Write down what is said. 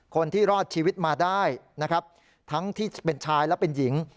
คนที่รอดชีวิตมาได้นะครับทั้งที่เป็นชายและเป็นหญิง